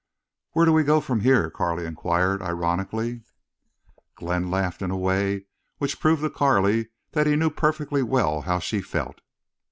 "Where do we go from here?" Carley inquired, ironically. Glenn laughed in a way which proved to Carley that he knew perfectly well how she felt.